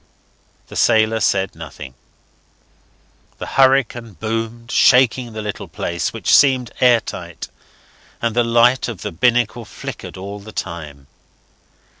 The sailor said nothing. The hurricane boomed, shaking the little place, which seemed air tight; and the light of the binnacle flickered all the time.